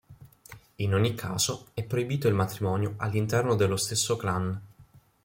In ogni caso, è proibito il matrimonio all'interno dello stesso clan.